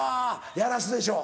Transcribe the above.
やらすでしょ？